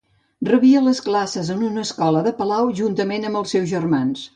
Rebia les classes en una escola de palau juntament amb els seus germans.